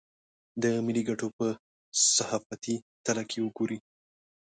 د ملي ګټو په صحافتي تله که وګوري.